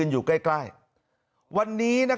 คุณสิริกัญญาบอกว่า๖๔เสียง